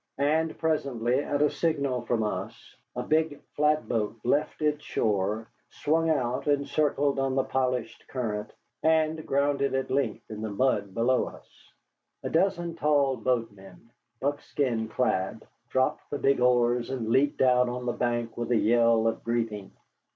And presently, at a signal from us, a big flatboat left its shore, swung out and circled on the polished current, and grounded at length in the mud below us. A dozen tall boatmen, buckskin clad, dropped the big oars and leaped out on the bank with a yell of greeting.